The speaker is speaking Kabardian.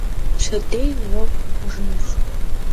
Пщэдей уэфӀ хъужынущ.